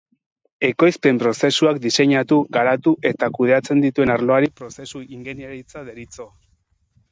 Ekoizpen-prozesuak diseinatu, garatu eta kudeatzen dituen arloari prozesu ingeniaritza deritzo.